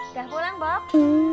udah pulang bob